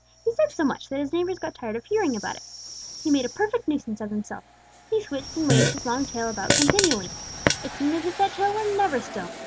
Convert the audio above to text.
He said so much that his neighbors got tired of hearing about it. He made a perfect nuisance of himself. He switched and waved his long tail about continually. It seemed as if that tail were never still.